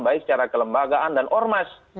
baik secara kelembagaan dan ormas